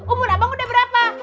umur abang udah berapa